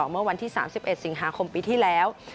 เมื่อวันที่๓๑สิงหาคมปีที่แล้ว